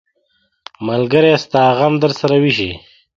ملګری ستا غم درسره ویشي.